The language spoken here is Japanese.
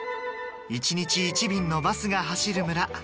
１日１便のバスが走る村